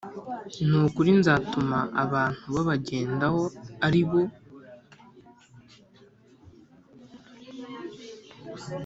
Ni ukuri nzatuma abantu babagendaho ari bo